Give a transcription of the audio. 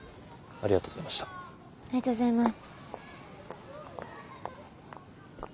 ありがとうございます。